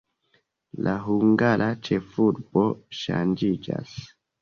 La hungara ĉefurbo ŝanĝiĝas.